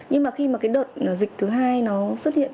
nhưng mà khi mà cái đợt dịch thứ hai nó xuất hiện